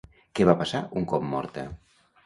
Què va passar un cop morta?